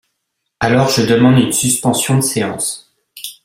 Alors je demande une suspension de séance